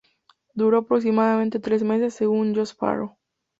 Duró aproximadamente tres meses, según Josh Farro.